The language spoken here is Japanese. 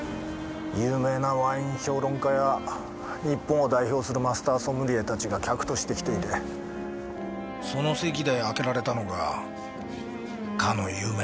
有名なワイン評論家や日本を代表するマスターソムリエたちが客として来ていてその席で開けられたのがかの有名な「ロマネ・コンティ」だった。